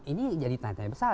ini jadi tanda tanya besar